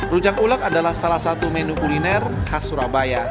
rujak ulek adalah salah satu menu kuliner khas surabaya